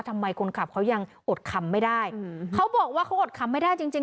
ทำไมคนขับเขายังอดคำไม่ได้เขาบอกว่าเขาอดคำไม่ได้จริงจริง